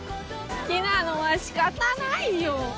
「好きなのは仕方ないよ」